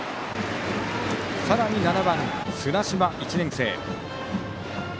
さらに７番綱島、１年生。